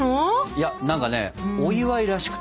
いや何かねお祝いらしくてね。